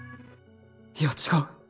いや違う。